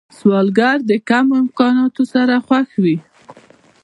سوالګر د کمو امکاناتو سره خوښ وي